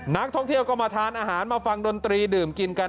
นักท่องเที่ยวก็มาทานอาหารมาฟังดนตรีดื่มกินกัน